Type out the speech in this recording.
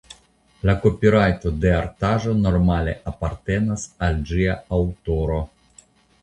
La kopirajto de artaĵo normale apartenas al ĝia aŭtoro.